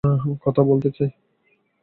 কথা বলতে চাই।